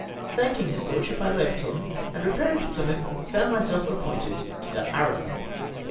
Thanking his lordship, I left him, and repairing to Plymouth, found myself appointed to the Arab.